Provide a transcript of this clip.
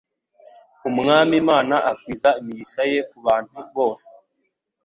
Umwami Imana akwiza imigisha ye ku bantu bose.